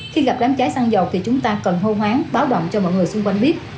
khi gặp đám cháy xăng dầu thì chúng ta cần hô hoáng báo động cho mọi người xung quanh biết